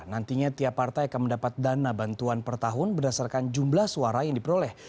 nantinya tiap partai akan mendapat dana bantuan per tahun berdasarkan jumlah suara yang diperoleh